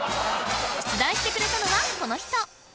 出題してくれたのはこの人！